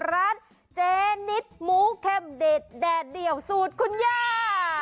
รัดเจนิทหมูแข็มดิดแดดเดี่ยวสูตรคุณย่า